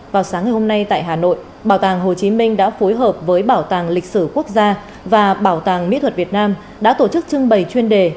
vào sáng ngày hôm nay tại hà nội bảo tàng hồ chí minh đã phối hợp với bảo tàng lịch sử quốc gia và bảo tàng mỹ thuật việt nam đã tổ chức trưng bày chuyên đề